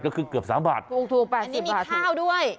ก็คือเกือบสามบาทถูกถูกแปดสิบบาทอันนี้มีข้าวด้วย